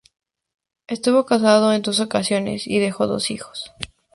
Estuvo casado en dos ocasiones y dejó dos hijos.